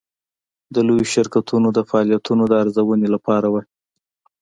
د لویو شرکتونو د فعالیتونو د ارزونې لپاره وه.